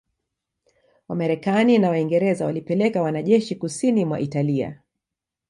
Wamarekani na Waingereza walipeleka wanajeshi Kusini mwa Italia